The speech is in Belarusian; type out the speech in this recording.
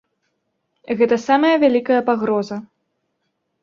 Гэта самая вялікая пагроза.